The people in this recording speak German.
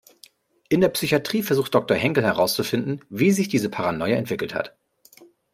In der Psychatrie versucht Doktor Henkel herauszufinden, wie sich diese Paranoia entwickelt hat.